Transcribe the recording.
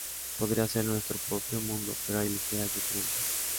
Podría ser nuestro propio mundo, pero hay ligeras diferencias.